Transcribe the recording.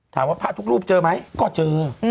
พระทุกรูปเจอไหมก็เจอ